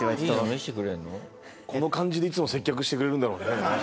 この感じでいつも接客してくれるんだろうね。